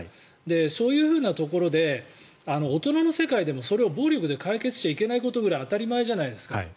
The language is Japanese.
そういうふうなところで大人の世界でもそれを暴力で解決してはいけないぐらい当たり前のことじゃないですか。